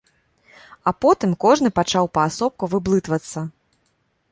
А потым кожны пачаў паасобку выблытвацца.